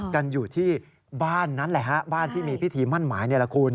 กันอยู่ที่บ้านนั้นแหละฮะบ้านที่มีพิธีมั่นหมายนี่แหละคุณ